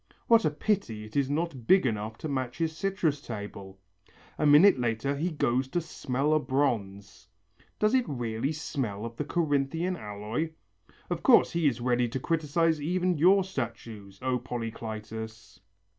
What a pity it is not big enough to match his citrus table! A minute later he goes to smell a bronze: Does it really smell of the Corinthian alloy? Of course he is ready to criticize even your statues, O Polycletus!